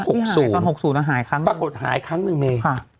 หกศูนย์ตอนหกศูนย์หายครั้งปรากฏหายครั้งหนึ่งเมค่ะ